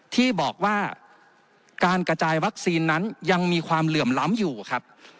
ที่บอกว่าการกระจายวัคซีนนั้นยังมีความเหลื่อมล้ำอยู่ครับ